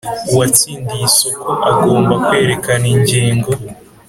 Uwatsindiye isoko agomba kwerekana ingingo